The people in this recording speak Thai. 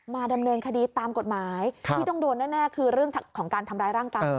ดำเนินคดีตามกฎหมายที่ต้องโดนแน่คือเรื่องของการทำร้ายร่างกาย